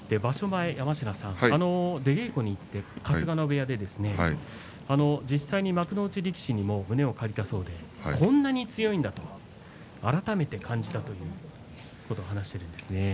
前、出稽古に行って春日野部屋で実際に幕内力士にも胸を借りたそうでこんなに強いんだと改めて感じたということを話しているんです。